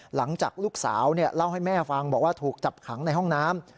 หลังจากลูกสาวเล่าให้แม่ฟังบอกว่าถูกจับขังในห้องน้ำ